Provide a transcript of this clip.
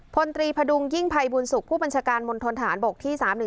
ผลตรีพดุงยิ่งภัยบุญศุกร์ผู้บัญชการมนตรฐานบกที่๓๑๐